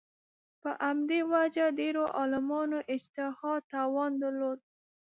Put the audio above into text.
په همدې وجه ډېرو عالمانو اجتهاد توان درلود